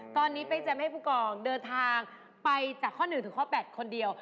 ตอนนี้เป๊กจะไม่ให้ผู้กองเดินทางไปจากข้อ๑ถึงข้อ๘คนเดียว